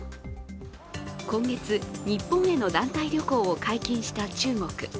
今月、日本への団体旅行を解禁した中国。